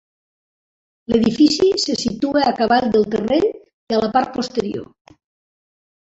L'edifici se situa a cavall del terreny i a la part posterior.